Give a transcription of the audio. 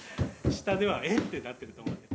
下では「え！」ってなってると思うよ。